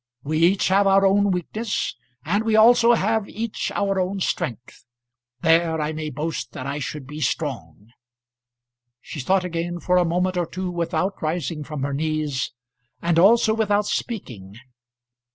We each have our own weakness, and we also have each our own strength. There I may boast that I should be strong." She thought again for a moment or two without rising from her knees, and also without speaking.